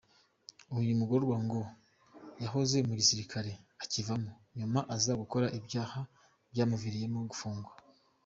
Uyu mugororwa ngo yahoze mu gisirikare, akivamo, nyuma aza gukora ibyaha byamuviriyemo gufungwa.